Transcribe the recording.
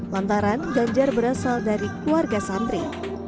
lantaran ganjar berasal dari keluarga santri